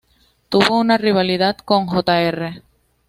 Tuvo una rivalidad con Jr.